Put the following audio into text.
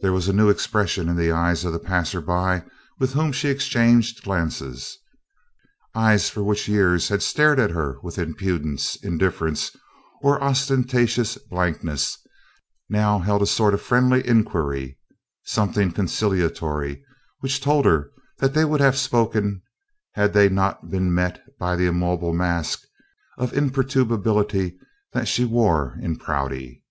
There was a new expression in the eyes of the passersby with whom she exchanged glances. Eyes which for years had stared at her with impudence, indifference, or ostentatious blankness now held a sort of friendly inquiry, something conciliatory, which told her they would have spoken had they not been met by the immobile mask of imperturbability that she wore in Prouty.